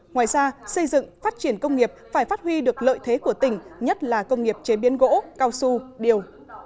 ngoài ra xây dựng phát triển công nghiệp phải phát huy được lợi thế của tỉnh nhất là công nghiệp chế biến gỗ cao su điều